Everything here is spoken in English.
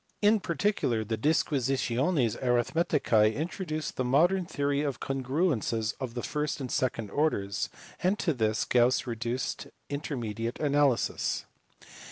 In particular the Disquisitiones Aritkmeticae introduced the modern theory of congruences of the first and second orders, and to this Gauss reduced indeterminate analysis.